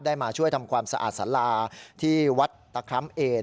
มาช่วยทำความสะอาดสาราที่วัดตะคร้ำเอน